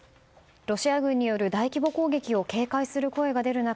ロシア軍による大規模攻撃を警戒する声が出る中